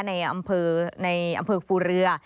ในอำเภอภูเรือ